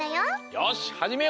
よしはじめよっか。